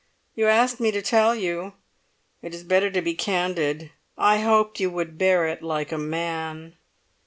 "You asked me to tell you. It is better to be candid. I hoped you would bear it like a man."